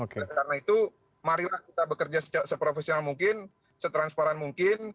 karena itu marilah kita bekerja seprofesional mungkin setransparan mungkin